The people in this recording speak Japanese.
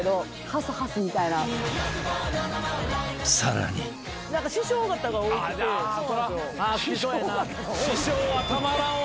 ［さらに］師匠はたまらんわ。